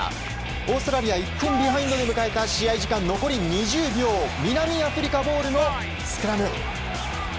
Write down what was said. オーストラリア１点ビハインドで迎えた試合時間残り２０秒南アフリカボールのスクラム。